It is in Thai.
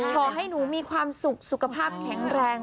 ขอให้หนูมีความสุขสุขภาพแข็งแรง